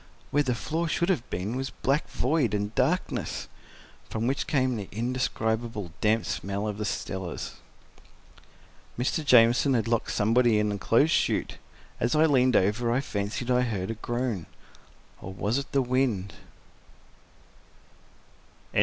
Where the floor should have been was black void and darkness, from which came the indescribable, damp smell of the cellars. Mr. Jamieson had locked somebody in the clothes chute. As I leaned over I fancied I heard a groan—or was it the wind?